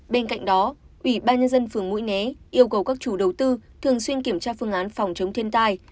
bên cạnh đó ủy ban nhân dân phường mũi né yêu cầu các chủ đầu tư thường xuyên kiểm tra phương án phòng chống thiên tai